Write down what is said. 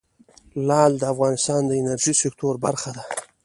لعل د افغانستان د انرژۍ سکتور برخه ده.